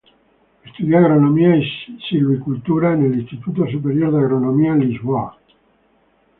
Estudió agronomía y silvicultura en el Instituto Superior de Agronomía, en Lisboa.